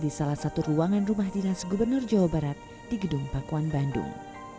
di salah satu ruangan rumah dinas gubernur jawa barat di gedung pakuan bandung